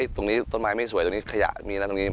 ตรงนี้ต้นไม้ไม่สวยตรงนี้ขยะมีนะตรงนี้